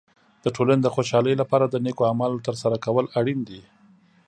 د ټولنې د خوشحالۍ لپاره د نیکو اعمالو تر سره کول اړین دي.